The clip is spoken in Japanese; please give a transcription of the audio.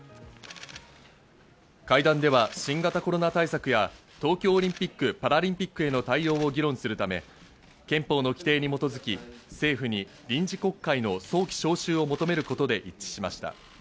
会談では新型コロナ対策や東京オリンピック・パラリンピックへの対応を議論するため、憲法の規定に基づき、政府に臨時国会の早期召集を求めることで一致しました。